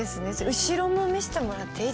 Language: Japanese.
後ろも見せてもらっていいですか？